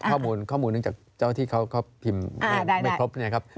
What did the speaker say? ข้อมูลข้อมูลเนื่องจากเจ้าที่เขาพิมพ์ไม่ครบเนี่ยครับ